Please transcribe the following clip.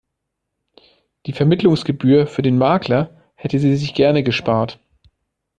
Die Vermittlungsgebühr für den Makler hätte sie sich gerne gespart.